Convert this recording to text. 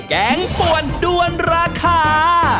แกงป่วนด้วนราคา